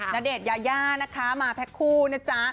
ณเดชยานะค่ะมาแพ้คู่นะจ๊ะ